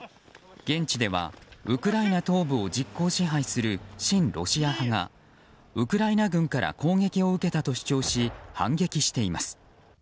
現地ではウクライナ東部を実効支配する親ロシア派がウクライナ軍から攻撃を受けたと主張し反撃しています。